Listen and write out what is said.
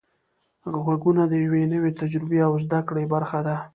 غږونه د یوې نوې تجربې او زده کړې برخه ده.